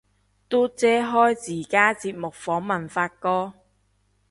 嘟姐開自家節目訪問發哥